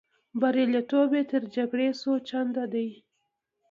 بریالیتوب یې تر جګړې څو چنده دی.